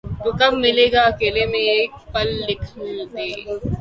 تو کب ملے گا اکیلے میں ایک پل لکھ دے